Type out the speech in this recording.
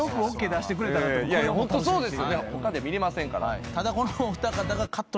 他で見られませんから。